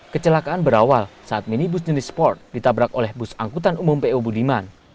kecelakaan berawal saat minibus jenis sport ditabrak oleh bus angkutan umum po budiman